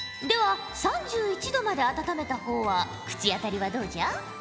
では３１℃まで温めた方は口当たりはどうじゃ？